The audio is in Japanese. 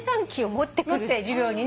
持って授業にね。